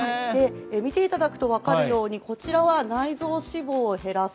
見ていただくと分かるように内臓脂肪を減らす。